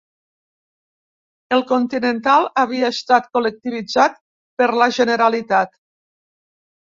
El Continental havia estat «col·lectivitzat» per la Generalitat